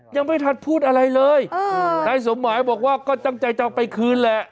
ยังไม่ทันพูดอะไรเลยนายสมหมายบอกว่าก็ตั้งใจจะเอาไปคืนแหละ